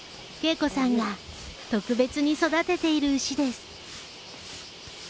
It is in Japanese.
恵子さんが特別に育てている牛です。